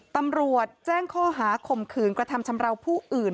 ตำรวจแจ้งข้อหาข่มขืนกระทำชำราวผู้อื่น